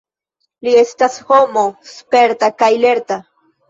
Li estas homo sperta kaj lerta.